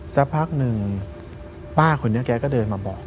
สักพักหนึ่งป้าคนนี้แกก็เดินมาบอก